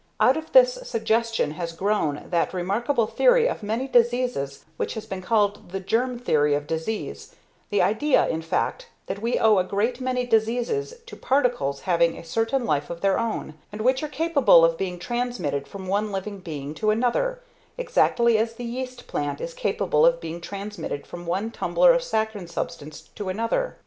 Out of this suggestion has grown that remarkable theory of many diseases which has been called the "germ theory of disease," the idea, in fact, that we owe a great many diseases to particles having a certain life of their own, and which are capable of being transmitted from one living being to another, exactly as the yeast plant is capable of being transmitted from one tumbler of saccharine substance to another.